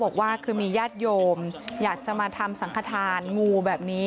บอกว่าคือมีญาติโยมอยากจะมาทำสังขทานงูแบบนี้